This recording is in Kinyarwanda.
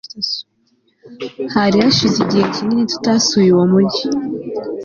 Hari hashize igihe kinini tutasuye uwo mujyi